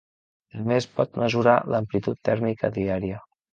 També es pot mesurar l'amplitud tèrmica diària.